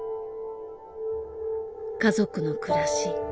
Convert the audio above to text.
家族の暮らし